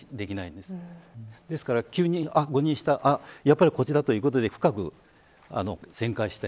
ですから急に誤認したやっぱりこっちだ、ということで深く旋回して。